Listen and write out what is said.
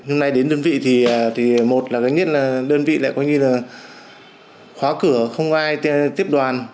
hôm nay đến đơn vị thì một là đơn vị lại có nghĩa là khóa cửa không ai tiếp đoàn